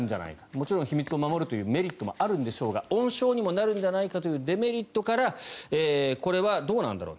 もちろん秘密を守るというメリットもあるんでしょうが温床にもなるんじゃないかというデメリットからこれはどうなんだろう